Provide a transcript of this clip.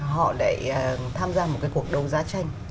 họ lại tham gia một cái cuộc đấu giá tranh